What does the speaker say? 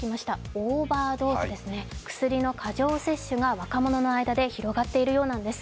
オーバードーズですね、薬の過剰摂取が若者の間で広まってきているようです。